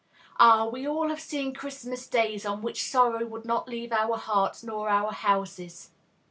Ah! we all have seen Christmas days on which sorrow would not leave our hearts nor our houses.